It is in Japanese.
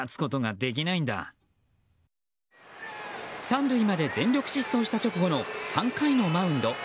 三塁まで全力疾走した直後の３回のマウンド。